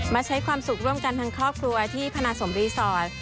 ใช้ความสุขร่วมกันทั้งครอบครัวที่พนาสมรีสอร์ท